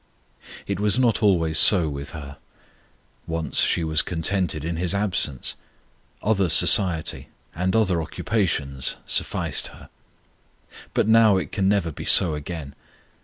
It was not always so with her. Once she was contented in His absence other society and other occupations sufficed her; but now it can never be so again.